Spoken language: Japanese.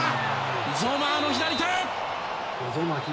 ゾマーの左手！